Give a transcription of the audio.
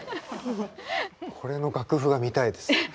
これの楽譜が見たいです。